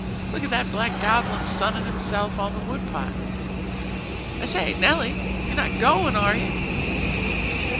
Look at that black goblin sunning himself on the woodpile. I say, Nelly, you're not going, are you?"